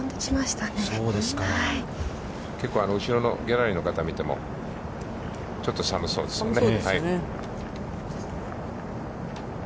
結構後ろのギャラリーの方を見ても、ちょっと寒そうですね。